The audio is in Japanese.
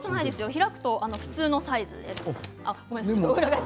開くと普通のサイズ。